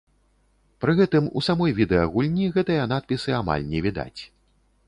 Пры гэтым у самой відэагульні гэтыя надпісы амаль не відаць.